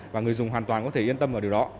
và người dùng hoàn toàn có thể yên tâm vào điều đó